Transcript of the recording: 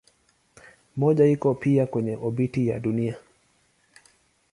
Mmoja iko pia kwenye obiti ya Dunia.